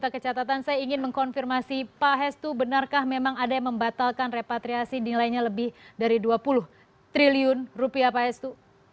ke catatan saya ingin mengkonfirmasi pak hestu benarkah memang ada yang membatalkan repatriasi nilainya lebih dari dua puluh triliun rupiah pak hestu